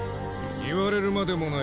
言われるまでもない。